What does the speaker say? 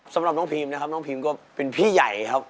สำหรับน้องพีมนะครับน้องพีมก็เป็นพี่ใหญ่ครับ